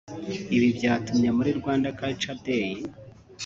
Ibi byatumye muri Rwanda Cultural Day